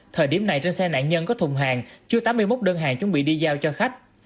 thời điểm này trên xe nạn nhân có thùng hàng chưa tám mươi một đơn hàng chuẩn bị đi giao cho khách